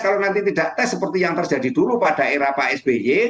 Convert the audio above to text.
kalau nanti tidak tes seperti yang terjadi dulu pada era pak sby